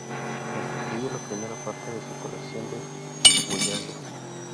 Constituye la primera parte de su colección de "Voyages".